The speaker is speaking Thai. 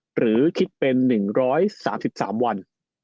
หรือคิดเป็น๑๓๓วัน